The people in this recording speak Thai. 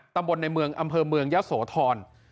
ตำบลในเมืองอ่ำเพิร์นเมืองยสโถร